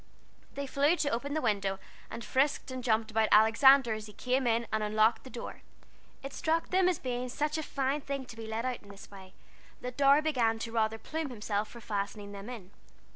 They flew to open the window, and frisked and jumped about Alexander as he climbed in and unlocked the door. It struck them as being such a fine thing to be let out in this way, that Dorry began to rather plume himself for fastening them in.